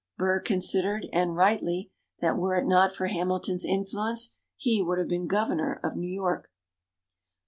Burr considered, and rightly, that were it not for Hamilton's influence he would have been Governor of New York.